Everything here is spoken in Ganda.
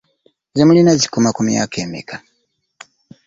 Ze mulina zikoma ku myaka emeka?